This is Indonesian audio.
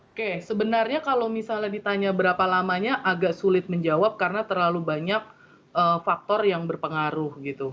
oke sebenarnya kalau misalnya ditanya berapa lamanya agak sulit menjawab karena terlalu banyak faktor yang berpengaruh gitu